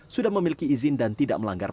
sudah memiliki izin dan tidak melanggar